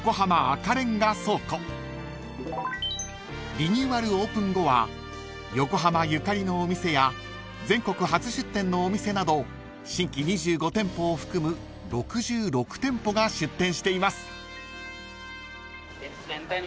［リニューアルオープン後は横浜ゆかりのお店や全国初出店のお店など新規２５店舗を含む６６店舗が出店しています］